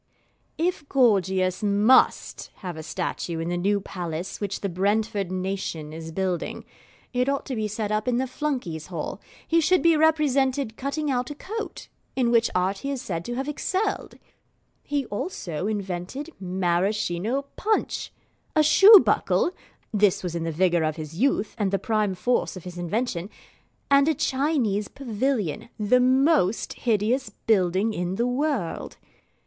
If Gorgius MUST have a statue in the new Palace which the Brentford nation is building, it ought to be set up in the Flunkeys' Hall. He should be represented cutting out a coat, in which art he is said to have excelled. He also invented Maraschino punch, a shoe buckle (this was in the vigour of his youth, and the prime force of his invention), and a Chinese pavilion, the most hideous building in the world.